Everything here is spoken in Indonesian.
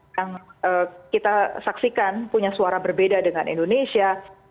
yang kita saksikan punya suara berbeda dengan indonesia